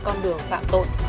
con đường phạm tội